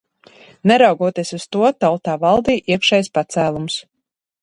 Neraugoties uz to, tautā valdīja iekšējs pacēlums.